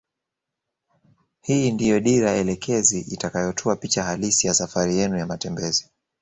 Hii ndio dira elekezi itakayotoa picha halisi ya safari yenu ya matembezi